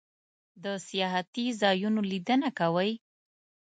د سیاحتی ځایونو لیدنه کوئ؟